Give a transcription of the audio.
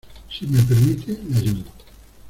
si me permite, le ayudo.